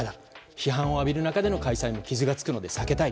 批判を浴びる中での開催も傷がつくので避けたい。